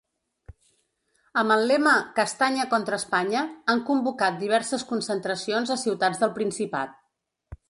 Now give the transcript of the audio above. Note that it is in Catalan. Amb el lema ‘Castanya contra Espanya’, han convocat diverses concentracions a ciutats del Principat.